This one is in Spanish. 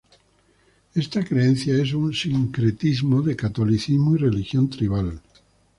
Esta creencia es un sincretismo de Catolicismo y religión tribal.